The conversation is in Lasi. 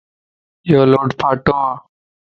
يو لوڊ ڦاتوَ